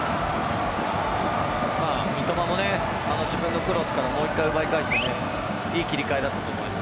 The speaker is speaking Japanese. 三笘も自分のクロスからもう１回奪い返していい切り替えだったと思います。